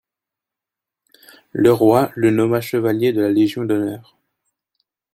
Le roi le nomma chevalier de la Légion d'honneur.